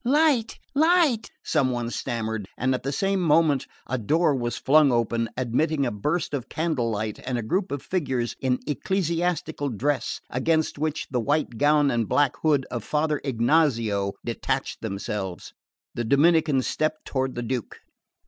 "Light light!" some one stammered; and at the same moment a door was flung open, admitting a burst of candle light and a group of figures in ecclesiastical dress, against which the white gown and black hood of Father Ignazio detached themselves. The Dominican stepped toward the Duke.